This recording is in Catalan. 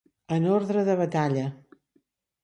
En ordre de batalla.